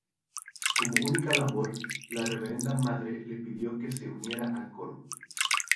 Como única labor, la Reverenda Madre le pidió que se uniera al coro.